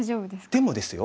でもですよ